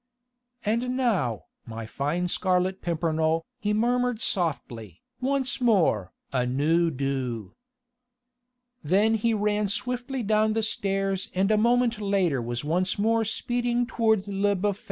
"And now, my fine Scarlet Pimpernel," he murmured softly, "once more à nous deux." Then he ran swiftly down the stairs and a moment later was once more speeding toward Le Bouffay.